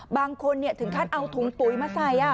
บางคนเนี่ยถึงคาดเอาถุงปุ๋ยมาใส่อ่ะ